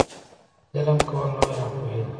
ظلم کول لویه ناپوهي ده.